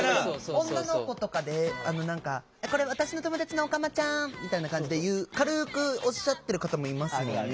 女の子とかで「これ私の友達のオカマちゃん」みたいな感じで言う軽くおっしゃってる方もいますもんね。